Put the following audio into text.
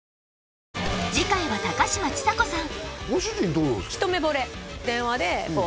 次回は高嶋ちさ子さん